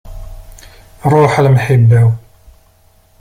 Ruḥ a lemḥiba-w.